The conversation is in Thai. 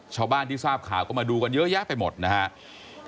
ชาวบ้านที่ทราบข่าวก็มาดูกันเยอะแยะไปหมดนะครับ